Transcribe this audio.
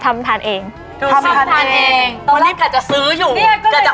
ทำทานเองตอนนี้แค่จะซื้ออยู่จะอุดหนุน